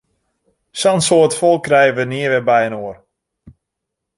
Sa'n soad folk krije wy nea wer byinoar!